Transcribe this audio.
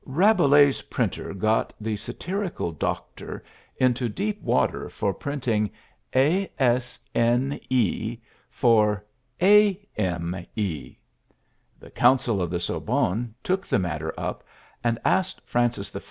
Rabelais' printer got the satirical doctor into deep water for printing asne for ame; the council of the Sorbonne took the matter up and asked Francis I.